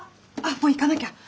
もう行かなきゃ！